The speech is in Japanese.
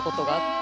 て